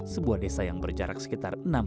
sebuah desa yang berjarak sekitar enam km